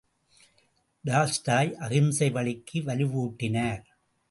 Tolstoy அகிம்சை வழிக்கு வலுவூட்டினார்.